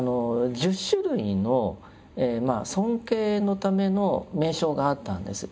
１０種類の尊敬のための名称があったんです。